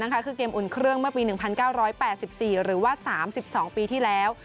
คือเกมอุ่นเครื่องเมื่อปี๑๙๘๔หรือว่า๓๒ปีที่แล้ว